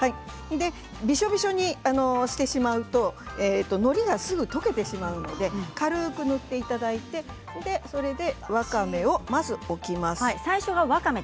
びしょびしょにしてしまうとのりがすぐ溶けてしまうので軽く塗っていただいてそれで、わかめをまず置きます。